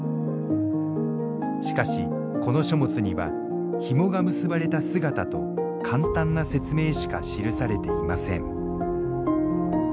しかしこの書物にはひもが結ばれた姿と簡単な説明しか記されていません。